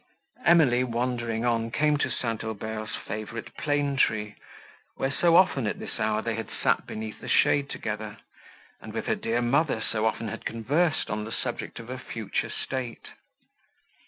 Emily, wandering on, came to St. Aubert's favourite plane tree, where so often, at this hour, they had sat beneath the shade together, and with her dear mother so often had conversed on the subject of a future state.